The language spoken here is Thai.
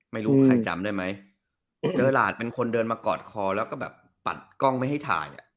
ไม่รู้ใครจำได้ไหมเจอหลานเป็นคนเดินมากอดคอแล้วก็แบบปัดกล้องไม่ให้ถ่าย